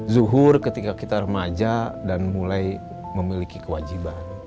zuhur ketika kita remaja dan mulai memiliki kewajiban